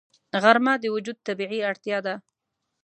غرمه د وجود طبیعي اړتیا ده